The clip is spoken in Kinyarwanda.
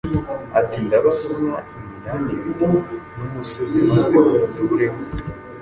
ati «Ndabaha inka iminani ibiri n'umusozi, maze muwutureho,